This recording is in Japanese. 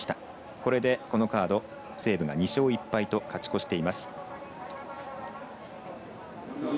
これでこのカード西武が２勝１敗と勝ち越しています。